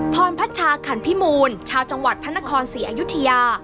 พรพัชชาขันพิมูลชาวจังหวัดพระนครศรีอยุธยา